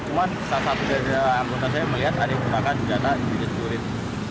cuma sasar anggota saya melihat ada yang menutupkan senjata di jenis durit